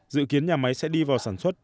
dự kiến nhà máy sẽ đi vào sản xuất